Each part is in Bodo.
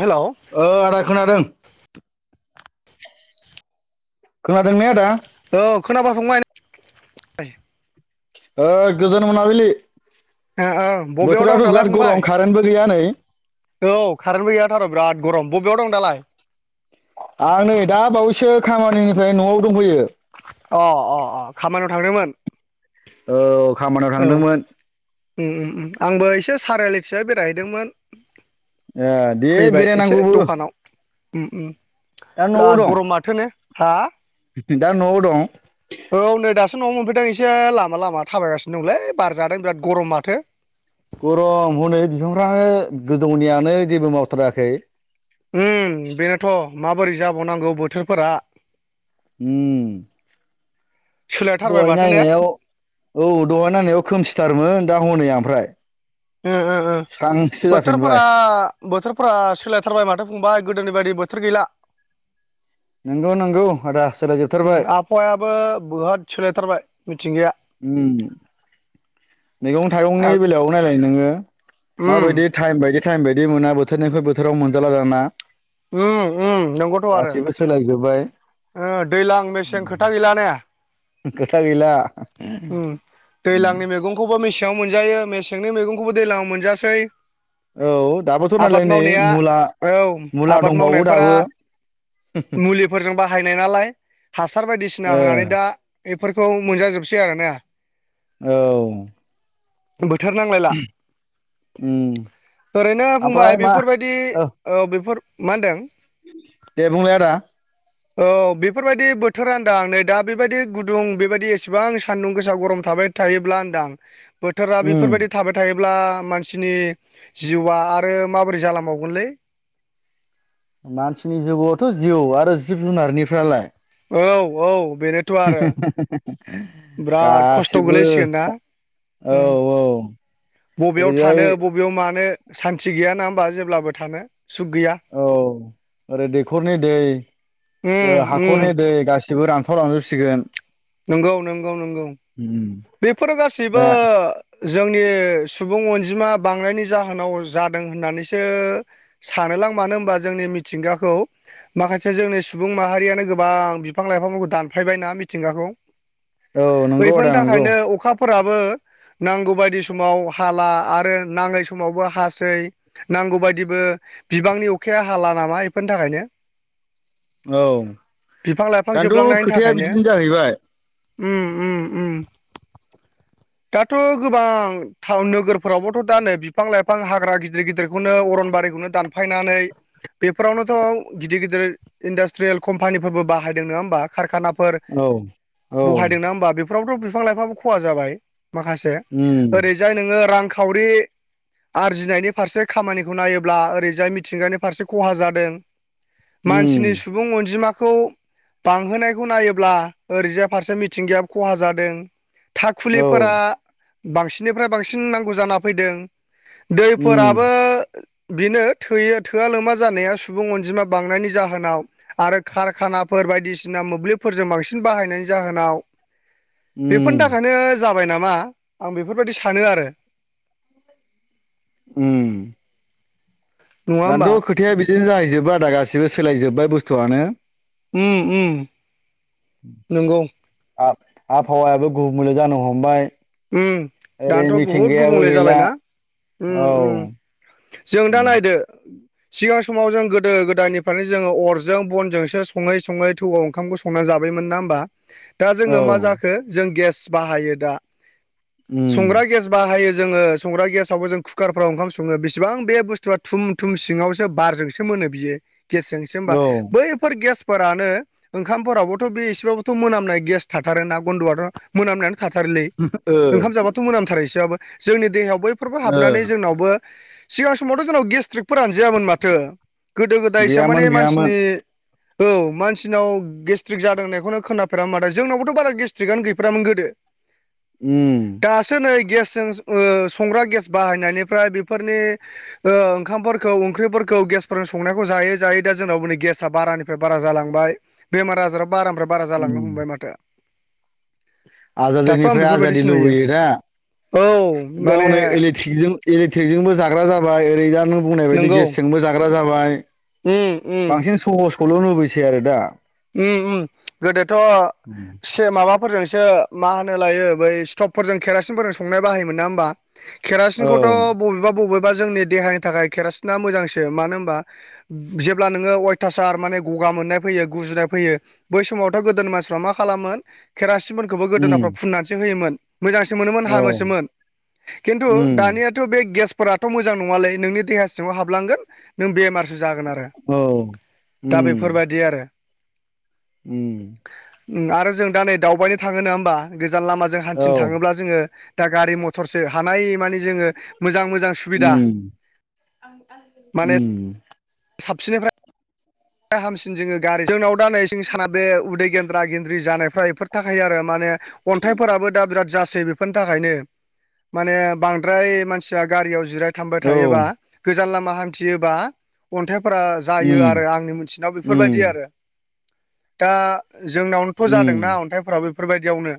हेलौ ओ आदा खोनादों खोनादों ने आदा औ खोनाबा फंबाय ओ गोजोन मोनाबिलि ओ ओ बबेयाव दं बोथोराथ' दालाय बिराद फंबाय गरम कारेन्टबो गैया नै औ कारेन्टबो गैयाथार' बिराद गरम बबेयाव दं दालाय आं नै दा बावैसो खामानिनिफ्राय न'आव दंफैयो अ अ अ खामानियाव थांदोंमोन औ खामानियाव औ थांदोंमोन उम उम आंबो एसे साराय लेथिजाय बेरायहैदोंमोन ए दे फैबाय एसे बेरायनांगौबो दखानाव दा न'आव बिराद दं गरमाथोने हा दा न'आव दं औ नै दासो न'आवनो मोनफैदों एसे लामा लामा थाबायगासिनो दंलै बारादों बिराद गरम माथो गरम हनै बिफांफ्रा गोदौनियानो जेबो मावथाराखै उम बेनोथ' माबोरै जाबावनांगौ बोथोरफोरा उम सोलायथारबाय दहाय माथो ने नायनायाव औ दहाय नांनायाव खोमसिथारमोन दा हनै ओमफ्राय उम ओ ओ स्रांसो जाफिनबाय बोथोरफोरा बोथोरफोरा सोलायथारबाय माथो फंबाय गोदोनि बायदि बोथोर गैला नंगौ नंगौ आदा सोलायजोबथारबाय हौवायाबो बोहत सोलायथारबाय मिथिंगाया मैगं थाइगंनि आर बेलायाव नायलाय नोङो उम माबायदि टाइम बायदि टाइम बायदि मोना बोथोरनिफ्राय बोथोराव मोनजाला दाना ओ ओ नंगौथ' आरो गासिबो सोलायजोब्बाय ओ दैज्लां मेसें खोथा गैला ना खोथा गैला दैज्लांनि मैगंखौबो मेसेङाव मोनजायो मेसेंनि मैगंखौबो दैज्लाङाव मोनजासै औ दाबोथ' नालाय आबाद नै मावनाया मुला औ मुला आबाद दंबावो मावनायफोरा दाबो मुलिफोरजों बाहायनाय नालाय हासार बायदिसिना ए होनानै दा बेफोरखौ मोनजाजोबसै आरोना अ बोथोर नांलायला उम ओरैनो ओमफ्राय फंबाय मा बेफोरबायदि औ बेफोर मा होनदों दे बुंलाय आदा औ बेफोरबायदि बोथोर आदां नै दा बेबायदि गुदुं बेबायदि एसेबां सानदुं गोसा गरम थाबाय थायोब्ला होनदां बोथोरा उम बेफोरबायदि थाबाय थायोब्ला मानसिनि जिवा आरो माबोरै जालांबावगोनलै मानसिनि जिउआवथ' जिउ आरो जिब जुनारनिफ्रालाय औ औ बेनो [unintelligible] खस्थ' गासिबो गोलैसिगोन ना औ उम औ बबेयाव ओरैजाय थानो बबेयाव मानो सान्थि गैया ना होमबा जेब्लाबो थानो सुख गैया औ ओरै दैखरनि दै उम उम हाखरनि दै गासिबो रान थ लांजोबसिगोन नंगौ नंगौ नंगौ उ बेफोरो गासैबो जोंनि सुबुं अनजिमा बांनायनि जाहोनाव जादों होननानैसो सानोलां मानो होनबा जोंनि मिथिंगाखौ माखासे जोंनि सुबुं माहारियानो गोबां बिफां लाइफांफोरखौ दानफायबायना मिथिंगाखौ औ नंगौ आदा बैफोरनि नंगौ थाखायनो अखाफोराबो नांगौ बायदि समाव हाला आरो नाङै समावबो हासै नांगौ बायदिबो बिबांनि अखाया हाला नामा एफोरनि थाखायनो औ बिफां लाइफां दानोथ' जोबलांनायनि खोथाया थाखायनो बिदिनो जाहैबाय उ उ उ दाथ' गोबां टाउन नोगोरफोरावबोथ' दानो बिफां लाइफां हाग्रा गिदिर गिदिरखौनो अरनबारिखौनो दान फायनानै बेफोरावनोथ' गिदिर गिदिर इन्डास्ट्रियेल कम्पानिफोरबो बाहायदों नङा होमबा कारखाना फोर औ औ बहायदोंना होमबा बेफोरावथ' बिफां लाइफाङाबो खहा जाबाय माखासे उम जाय नोङो रांखावरि आरजिनायनि फारसे खामानिखौ नायोब्ला ओरैजाय मिथिंगानि फारसे खहा जादों उम मानसिनि सु सुबुं अनजिमाखौ बांहोनायखौ नायोब्ला ओरैजाय फारसे मिथिंगायाबो खहा जादों औ थाखुलिफोरा बांसिननिफ्राय बांसिन नांगौ जाना फैदों दैफोराबो उम बेनो थोयो थोआ लोमा जानाया सुबुं अनजिमा बांनायनि जाहोनाव आरो कारखानाफोर बायदिसिना मोब्लिबफोरजों बांसिन बाहायनायनि जाहोनाव बेफोरनि उम थाखायनो जाबाय नामा आं बेफोरबायदि सानो आरो ओम नङा दाथ' होमबा खोथाया बिदिनो जाहैजोबबाय आदा गासिबो सोलायजोब्बाय बुस्थुआनो। ओम ओम नंगौ। आब आबहावायाबो गुबुंले जानो हमबाय। उम ओरै दाथ' बहुद मिथिंगायाबो गुबुंले गैला जाबायना उम औ उम जों दा उम नायदो सिगां समाव जों गोदो गोदायनिफ्रायनो जोङो अरजों बनजोंसो सङै सङै थौआव ओंखामखौ सं संना जाबायमोन ना होमबा दा औ जोङो मा जाखो जों गेस बाहायो दा उम संग्रा गेस बाहायो जोङो संग्रा गेसावबो जों कुकारफ्राव ओंखाम सङो बेसिबां बे बुस्थुआ थुम थुम सिङावसो बारजोंसो मोनो बियो गेसजों होनबा औ बैफोर गेसफोरानो ओंखामफोरावबोथ' बे एसेबाबोथ' मोनामनाय गेस थाथारो ना बन्द'आथ' मोनामनानै थाथारलै ओ ओंखाम जाबाथ' मोनामथारो इसेबाबो जोंनि देहायाव बैफोरबो ओ हाबनानै जोंनावबो सिगां समावथ' जोंनाव गेस्ट्रिकफोरानो जायामोन माथो गोदो गोदायसो गैयामोन माने गैयामोन मानसिनि औ मानसिनाव गेस्ट्रिक जादोंनायखौनो खोनाफेरामोन माथो जोंनावबोथ' बारा गेस्ट्रिकआनो गैफेरामोन गोदो। ओम दासो नै गेसजों संग्रा गेस बाहायनायनिफ्राय बेफोरनि ओंखामफोरखौ ओंख्रिफोरखौ गेसफोरजों संनायखौ जायै जायै दा जोंनाव नै गेसाआ बारानि फ्राय बारा जालांबाय बेमार आजाराबो बारानिफ्राय बारा जालांनो उम हमबाय माथो। दाथ' आं आजादिनिफ्राय आजादि बेफोरबायदिसो नुयो लुबैयो दा। औ दा माने हनै इलेक्ट्रिक इलेक्ट्रिक जोंबो जाग्रा जाबाय ओरै दा नों बुंनाय बायदि गेस जोंबो जाग्रा जाबाय। ओम ओम बांसिन सहसखौल' लुबैसै आरो दा। ओम ओम गोदोथ' से माबा फोरजोंसो मा होनो लायो बै स्टबफोरजों केरासिनफोरजों संनाय बाहायोमोन ना होनबा? केरासिनखौथ' औ बबेबा बबेबा जोंनि देहानि थाखाय केरासिना मोजांसो मानो होनबा जेब्ला नोङो अयथासार माने गगा मोननाय फैयो गुजुनाय फैयो बै समावथ' गोदोनि मानसिफ्रा मा खालामोन केरासिन फोरखौबो गोदोनाफ्राव उम फुननानैसो होयोमोन मोजांसो मोनोमोन औ हामोसोमोन खिनथु उम दानिया थ' बे गेसफोराथ' मोजां नङालै नोंनि देहा सिङाव हाबलांगोन नों बेमार सो जागोन आरो औ दा बेफोरबायदि आरो। ओम उम आरो जों दा नै दावबायनो थाङो नङा होमबा गोजान लामाजों औ हान्थिनो थाङोब्ला जोङो दा गारि मथरसो हानाय माने जोङो मोजां मोजां सुबिदा उम माने उम साबसिननिफ्राय हामसिन जोङो गारि जोंनाव दा नै साना बे उदै गेन्द्रा गेन्द्रि जानायफ्रा बेफोर थाखायो आरो माने अन्थाइफोराबो दा बिराद जासै बेफोरनि थाखायनो माने बांद्राय मानसिया गारियाव जिराय थाबबाय औ थायोबा गोजान लामा हान्थियोबा अन्थाइफोरा जायो उम आरो आंनि मिथिनायाव बेफोरबायदि उम आरो‌। दा जोंनावनोथ' उम जादोंना अन्थाइफोराबो। बेफोरबायदियावनो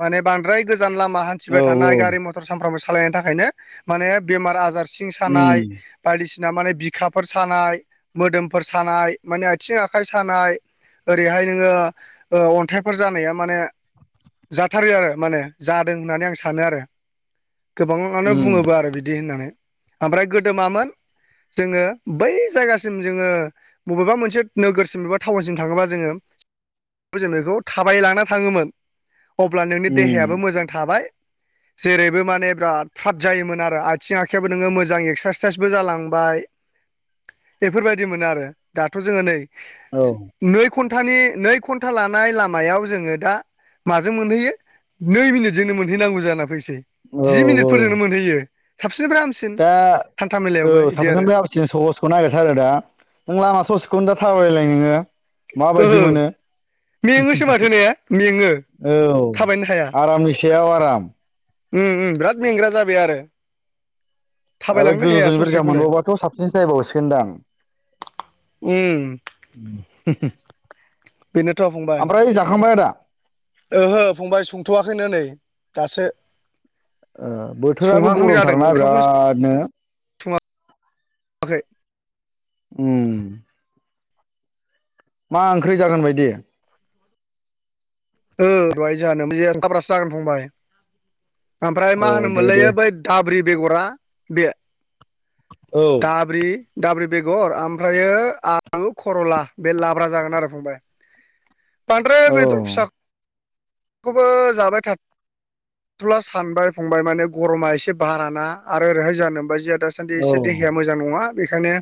माने बांद्राय गोजान लामा हान्थिबाय औ थानाय गारि मथर सानफ्रामबो सालायनायनि थाखायनो माने बेमार आजार सिं उम सानाय बायदिसिना माने बिखाफोर सानाय मोदोमफोर सानाय माने आथिं आखाइ सानाय ओरैहाय नोङो अन्थाइफोर जानाया माने जाथारो आरो माने जादों होननानै आं सानो आरो। गोबाङानो उम बुङोबो आरो बिदि होननानै। ओमफ्राय गोदोमामोन जोङो बै जायगासिम जोङो बबेबा मोनसे नोगोरसिम बबेबा टाउनसिम थाङोबा जोङो जों बेखौ थाबाय लाना थाङोमोन अब्ला नोंनि देहायाबो उम मोजां थाबाय जेरैबो माने बिराद फाद जायोमोन आरो आथिं आखाइ आबो नोङो मोजां एक्सारसाइसबो जालांबाय, बेफोरबायदि मोनो आरो दाथ' जोङो नै, औ नै घन्टानि नै घन्टा लानाय लामायाव जोङो दा माजों मोनहैयो, नै मिनिटजोंनो मोनहैनांगौ जाना फैसै, जि औ औ मिनिटफोरजोंनो मोनहैयो साबसिननिफ्राय हामसिन दा हान्था औ मेलायावबो इदि आरो [unintelligible] सहसखौ नागिरथारो दा नों लामा ससेखौनो दा थाबायलाय नोङो। माबायदि ओहो मोनो मेङोसो माथो ने मेङो औ थाबायनो आरामनि सायाव आराम। ओम ओम बेराद मेंग्रा जाबाय आरो। आरो थाबायलांनो हाया गोजौजों [unintelligible] ससेखौनो मोनबावबाथ' साबसिनसो जायबावसिगोनदां उम [unintelligible] बेनोथ' फंबाय, ओहो फंबाय संथ'वाखैनो नै दासो, ओ बोथोराबो संहांहां जादों गरमथार ना ओंखामखौनो बिरादनो, [unintelligible] उम मा ओंख्रि जागोन बायदि ओ दहाय जाहानो काब्रासो जागोन फंबाय ओमफ्राय अ मा होनो दे मोनलाय दे बै, दाब्रि बेगरा बे औ दाब्रि दाब्रि बेगर ओमफ्रायो आलु खर'ला बे लाब्रा जागोन आरो फंबाय, बांद्राय औ बेदर फिसाखौबो जाबाय थाद जाथ'ला सानबाय फंबाय माने गरमा एसे बाराना आरो ओरैहाय नोमबाजैया दासो दासान्दि औ एसे देहाया मोजां नङा बेखायनो,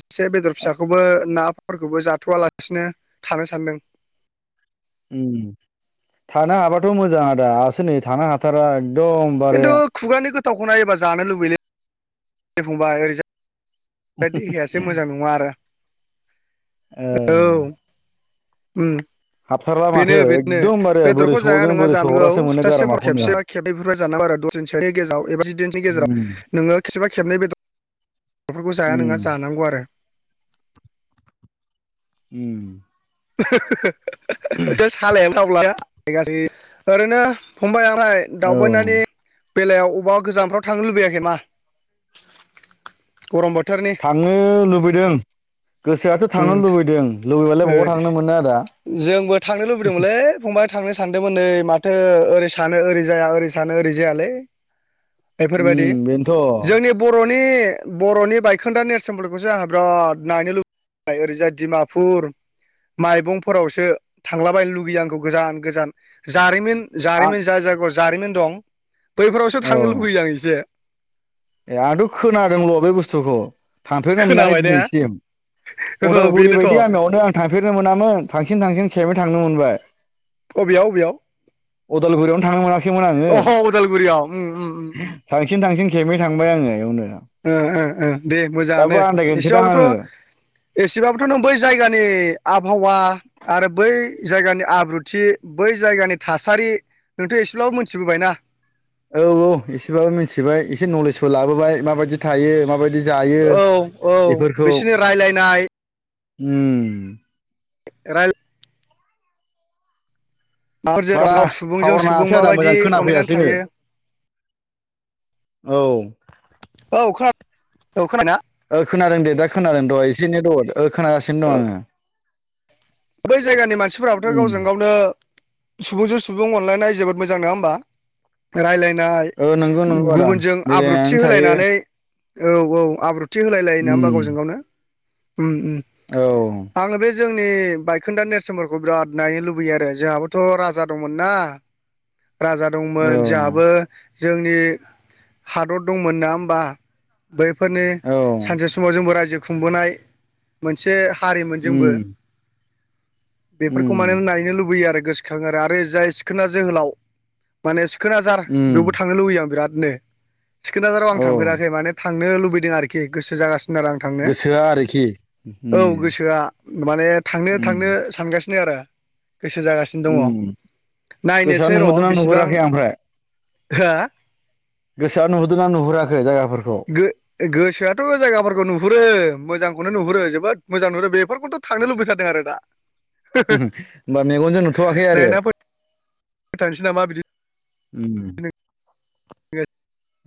एसे बेदर फिसाखौबो नाफोरखौबो जाथ'वालासिनो थानो सानदों, ओ थानो हाबाथ' मोजां आदा आसो नै थानो हाथारा एकदम, खिन्थु खुगानि गोथावखौ नाययोबा जानो लुबैयोलै फबाय ओरैजाय देहायासो मोजां नङा आरो ओ औ उम हाबथारला माथो बेनो बेनो एकदमबारे बोरै बेदरखौ जाया सहदों नुङा बोरै जानगौ सहरासो मोनो सप्तासेफोर गारामाखौनो आं खेबसे खेबनैफोर जानांगौ आरो दस दिनसेनि गेजेराव एबा जिदिननि उम गेजावनोङो खेबा खेबनै बेदर, फोरखौ जाया उम नङा जानांगौ आरो उम [unintelligible] बे सालानो दावब्लाास ओरैनो फंबाय आं ओमफ्राय औ दावबानायनि बेलायाव अबेबा गोजानफ्राव थांनो लुबैयाखै ना गरम बोथो थांनो लुबैदों गोसोआथ' उम थांनो लुबैदों लुबैबालाय ओ बहा थां जोंबो थांनो लुबैदोंमोनलै है फंबाय थांनो सानदोंमोन नै माथो ओरै सानो ओरै जाया ओरै सानो ओरै जायालै, उम बेफोरबायदि बेनोथ' जोंनि बर'नि बर'नि बायखोन्दा नेरसोनफोरखौसो आंहा बिराद नायनो लुब ओमफ्राय ओरैजाय दिमापुर माइबंफोरावसो थांलाबायनो लुगैयो आंखौ गोजान गोजान जारिमिन आं जारिमिन जा जागौ जारिमिन दं बैफोरावसो औ थांनो लुबैयो आं एसे, ए आंथ' खोनादोंल' बे बुस्थुखौ, थांफेरनो मोनाखै खोनाबाय ने दिनैसिम औ अदालगुरि बेनोथ' बायदि गामियावनो आं थांफेरनो मोनामोन थांसिन थांसिन खेबै थांनो मोनबाय अबेयाव अबेयाव उदालगुरियावनो थांनो मोनाखैमोन आङो, अह उदालगुरियाव उम उम उम उम थांसिन थांसिन खेबनै थांबाय आङो बेवनो ओ ओ ओ दे मोजाङानो आन्दायगोनसोदां आङो एसेबाबोथ' एसेबाबोथ' नों बै जायगानि आबहावा आरो बै जायगानि आब्रुथि बै जायगानि थासारि नोंथ' एसेब्लाबो मोनथिबोबायना। औ-औ एसेबाबो मिथिबाय एसे नलेजबो लाबोबाय माबायदि थायो माबायदि जायो औ-औ बेफोरखौ बिसोरनि रायलायनाय उम। रायेल माबाफोरजों बारा गाव सुबुंजों थाहर सुबुं नाङासै आदा माबायदि मोजां अनलायनानै खोनाफैयासैनो, थायो [inaudible] औ औ खोना औ खोनाबायना? ओ खोनादों दे दा खोनादों दहाय एसे नेट [unintelligible] खोनागासिनो दं आङो। बै जायगानि मानसिफोराबोथ' उम गावजों गावनो सुबुंजों सुबुं अनलायनाय जोबोद मोजां नङा होमबा? रायलायनाय ओ नंगौ नंगौ आदा गुबुनजों आब्रुथि मिलायनानै थायो होलायनानै औ-औ आब्रुथि होलाय लायो ना उम होमबा गावजोंगावनो उम-उम औ आङो बे जोंनि बायखोन्दा नेरसोनफोरखौ बिराद नायनो लुबैयो आरो जोंहाबोथ' राजा दंमोन ना राजा औ दंमोन जोंहाबो जोंनि हादर दंमोन नङा होमबा बैफोरनि औ सानसे स समाव जोंबो रायजो खुंबोनाय मोनसे हारिमोन जोंबो उम बेफोरखौ उम माने नायनो लुबैयो आरो गोसोखाङो आरो आरो जाय सिखोना जोहोलाव माने सिखोनाजार उम बेयावबो थांनो लुबैयो आं बिरादनो सिखोनाजाराव आं औ थांफेराखै माने थांनो लुबैदों आरोखि गोसो जागासिनो [unintelligible] आं थांनो गोसोआ आरोखि औ उम गोसोआ माने उम थांनो-थांनो सानगासिनो आरो गोसो जागासिनो दङ उम गोसोआ नायनोसै र' नुहुरदोंना बिसिबां नुहुराखै आं ओमफ्राय हो? गोसोआ नुहुरदोंना नुहुराखै जायगाफोरखौ। गो गोसोआथ' जायगाफोरखौ नुहुरो मोजांखौनो नुहुरो जोबोद मोजां नुहुरो बेफोरखौथ' थांनो लुबैथार दो आरोदा। होनबा मेगनजों नुथ'वाखै आरो। नायना [unintelligible] नामा बिदि उम।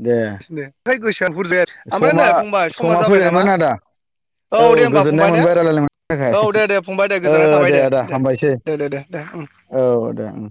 दे नोंसिनो ओमफ्राय गोसोआनो बुरजाया ओमफ्राय नै समा- फंबाय समा जाबाय नामा फैबायमोन आदा? औ दे होमबा गोजोननाय फंबाय ने मोनबाय रायलायलायनायनि थाखाय औ दे दे फंबाय दे गोजोननाय ओ थाबाय दे आदा हामबायसै। दे दे दे दे उम औ दे उम।